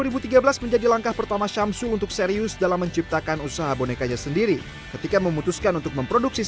bagi sejualan customer bonekamu